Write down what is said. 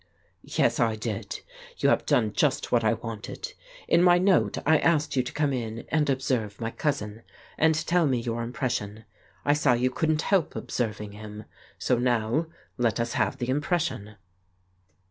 "Yes, I did. You have done just what I wanted. In my note I asked you to come in and observe my cousin, and tell me your impression. I saw you couldn't help observing him, so now let us have the impression."